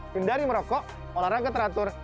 hindari merokok olahraga teratur